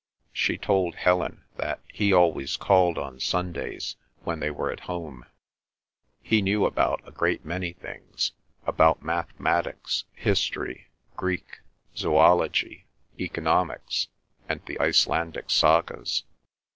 She told Helen that he always called on Sundays when they were at home; he knew about a great many things—about mathematics, history, Greek, zoology, economics, and the Icelandic Sagas.